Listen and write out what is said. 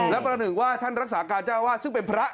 และประหนึ่งว่าท่านรักษาการเจ้าวาดซึ่งเป็นพระ